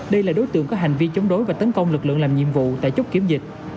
đây là đối tượng có hành vi chống đối và tấn công lực lượng làm nhiệm vụ tại chốt kiểm dịch